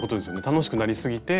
楽しくなりすぎて。